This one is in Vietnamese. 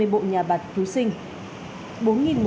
hai mươi bộ nhà bạc cứu sinh